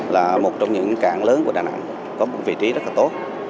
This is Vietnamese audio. là một trong những cảng lớn của đà nẵng có một vị trí rất là tốt